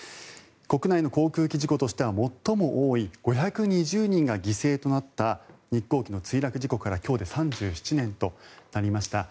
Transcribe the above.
国内の航空機事故としては最も多い５２０人が犠牲となった日航機の墜落事故から今日で３７年となりました。